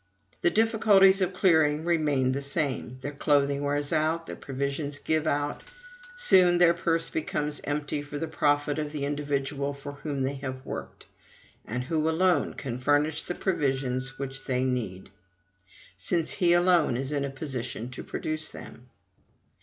The difficulties of clearing remain the same; their clothing wears out, their provisions give out; soon their purse becomes empty for the profit of the individual for whom they have worked, and who alone can furnish the provisions which they need, since he alone is in a position to produce them.